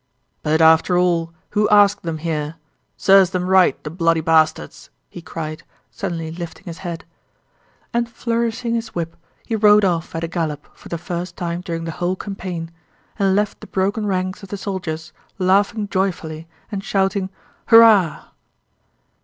"But after all who asked them here? Serves them right, the bloody bastards!" he cried, suddenly lifting his head. And flourishing his whip he rode off at a gallop for the first time during the whole campaign, and left the broken ranks of the soldiers laughing joyfully and shouting "Hurrah!"